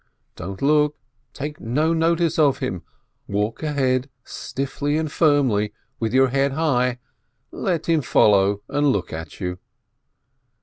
Don't look, take no notice of him, walk ahead stiffly and firmly, with your head high, let him follow and look at you.